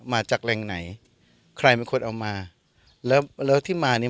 มาจากแรงไหนใครไม่ควรเอามาแล้วแล้วที่มาเนี้ย